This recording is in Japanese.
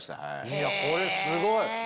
いやこれすごい。